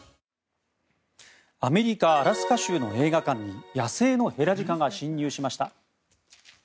アメリカ・アラスカ州の映画館に野生のヘラジカが侵入しました。